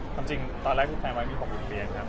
ตอนแรกพี่แพงว่ามี๖โรงเรียนครับ